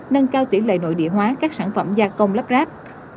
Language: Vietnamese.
nâng cao tỷ lệ nội địa hóa các sản phẩm gia công lắp ráp